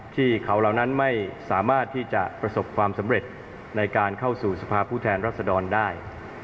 ที่เขาเหล่านั้นไม่สามารถที่จะประสบความสำเร็จในการเข้าสู่สภาพผู้แทนรัศดรได้